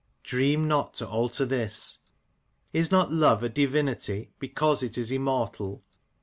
Dream not to alter this. Is not love a divinity, because it is immortal